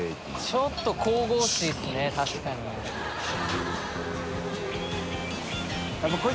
ちょっと神々しいですね